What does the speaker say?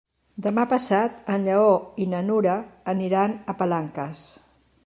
Demà passat en Lleó i na Nura aniran a Palanques.